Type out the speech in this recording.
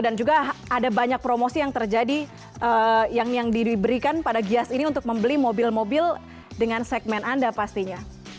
dan juga ada banyak promosi yang terjadi yang diberikan pada gias ini untuk membeli mobil mobil dengan segmen anda pastinya